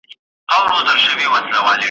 غزل دي نور له دې بازاره سره نه جوړیږي `